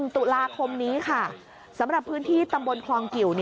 ตุลาคมนี้ค่ะสำหรับพื้นที่ตำบลคลองกิว